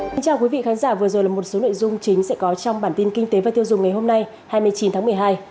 xin chào quý vị khán giả vừa rồi là một số nội dung chính sẽ có trong bản tin kinh tế và tiêu dùng ngày hôm nay hai mươi chín tháng một mươi hai